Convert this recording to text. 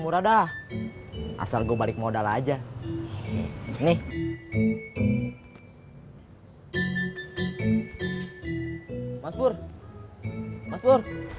mas pur mas pur